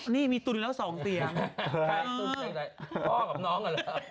นี่มีทุนเดียวแล้วสองเตียง